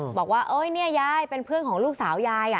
บอกว่าเนี่ยยายเป็นเพื่อนของลูกสาวยาย